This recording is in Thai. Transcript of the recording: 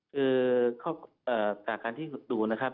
คือจากการที่ดูนะครับ